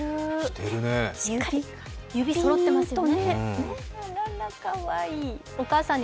しっかり指そろっていますね。